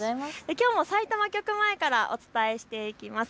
きょうもさいたま局前からお伝えしていきます。